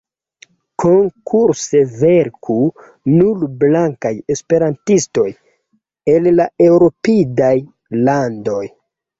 Konkurse verku nur blankaj esperantistoj el la eŭropidaj landoj.